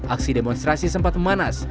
aksi demonstrasi sempat memanas